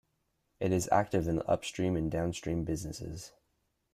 It is active in the Upstream and Downstream businesses.